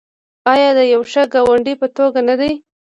آیا د یو ښه ګاونډي په توګه نه دی؟